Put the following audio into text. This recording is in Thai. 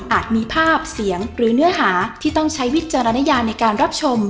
มีภาพเสียงหรือเนื้อหาที่ต้องใช้วิจารณญาในการรับชม